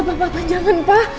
pak pak pak jangan pak